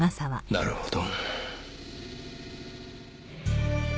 なるほど。